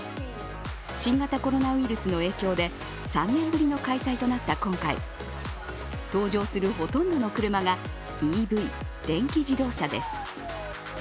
新型コロナウイルスの影響で３年ぶりの開催となった今回登場するほとんどの車がＥＶ、電気自動車です。